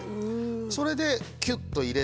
それでキュっと入れて。